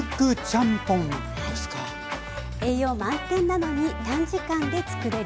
栄養満点なのに短時間で作れるスピード麺。